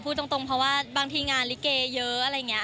พูดตรงเพราะว่าบางทีงานลิเกเยอะอะไรอย่างนี้